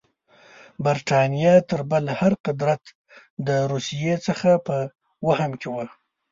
برټانیه تر بل هر قدرت د روسیې څخه په وهم کې وه.